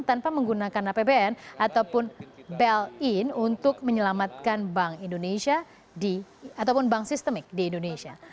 tanpa menggunakan apbn ataupun belin untuk menyelamatkan bank sistemik di indonesia